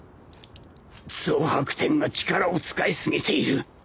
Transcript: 憎珀天が力を使い過ぎている